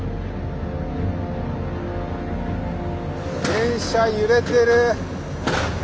電車揺れてる！